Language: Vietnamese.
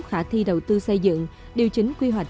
khả thi đầu tư xây dựng điều chính quy hoạch